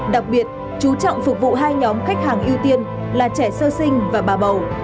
đặc biệt chú trọng phục vụ hai nhóm khách hàng ưu tiên là trẻ sơ sinh và bà bầu